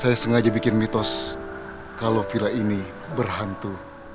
saya sengaja bikin mitos kalau villa ini berhantu